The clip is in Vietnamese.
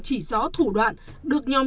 chỉ rõ thủ đoạn được nhóm